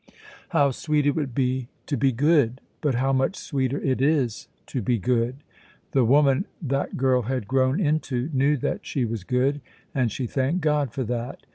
How sweet it would be to be good, but how much sweeter it is to be good! The woman that girl had grown into knew that she was good, and she thanked God for that.